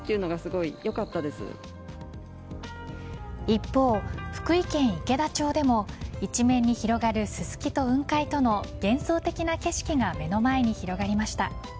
一方、福井県池田町でも一面に広がるススキと雲海との幻想的な景色が目の前に広がりました。